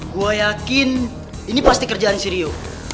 gue yakin ini pasti kerjaan sirio